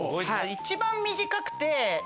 一番短くて。